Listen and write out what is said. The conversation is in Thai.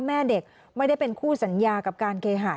แม่เด็กไม่ได้เป็นคู่สัญญากับการเคหา